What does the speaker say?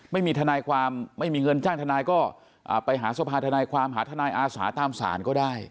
ไม่มีทนายความไม่มีเงินจ้างทนายก็ไปหาสภาธนายความหาทนายอาสาตามศาลก็ได้